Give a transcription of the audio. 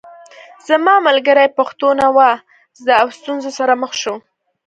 زما ملګري پښتو نه وه زده او ستونزو سره مخ شو